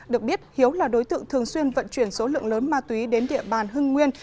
được biết hiếu là đối tượng thường xuyên vận chuyển số lượng lớn ma túy đến địa bàn hưng nguyên